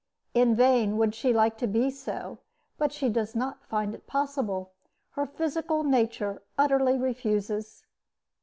In vain would she like to be so, but she does not find it possible. Her physical nature utterly refuses.